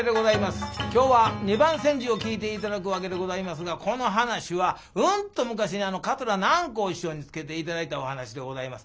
今日は「二番煎じ」を聴いて頂くわけでございますがこの噺はうんと昔に桂南光師匠につけて頂いたお噺でございます。